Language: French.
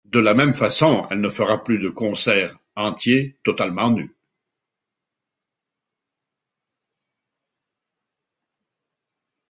De la même façon, elle ne fera plus de concert entier totalement nue.